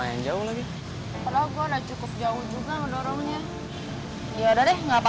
uang yang saya policeman untuk omset